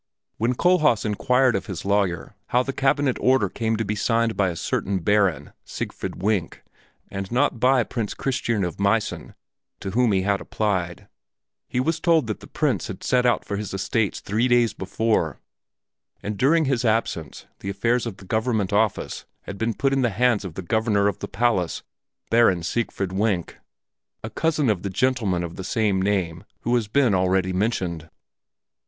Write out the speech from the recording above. When Kohlhaas inquired of his lawyer how the cabinet order came to be signed by a certain Baron, Siegfried Wenk, and not by Prince Christiern of Meissen to whom he had applied, he was told that the Prince had set out for his estates three days before, and during his absence the affairs of the Government Office had been put in the hands of the Governor of the Palace, Baron Siegfried Wenk, a cousin of the gentleman of the same name who has been already mentioned.